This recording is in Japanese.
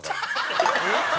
えっ？